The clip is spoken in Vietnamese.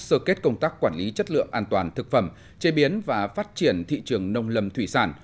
sơ kết công tác quản lý chất lượng an toàn thực phẩm chế biến và phát triển thị trường nông lâm thủy sản